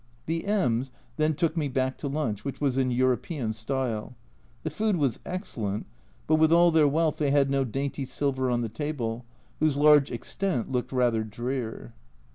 The M ^ then took me back to lunch, which was in European style ; the food was excellent, but with all their wealth, they had no dainty silver on the table, whose large extent looked rather drear.